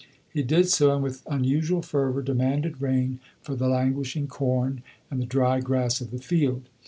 '" He did so, and with unusual fervor demanded rain for the languishing corn and the dry grass of the field.